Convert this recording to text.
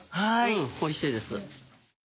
おいしいです。